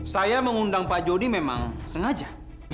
saya mengundang pak jody memang sengaja